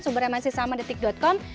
sumbernya masih sama detik com